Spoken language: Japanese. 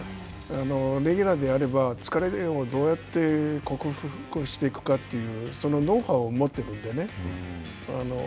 レギュラーであれば疲れてようがどうやって克服していくかっていうそのノウハウを持っているのでね